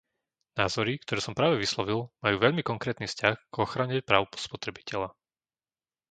Názory, ktoré som práve vyslovil, majú veľmi konkrétny vzťah k ochrane práv spotrebiteľa.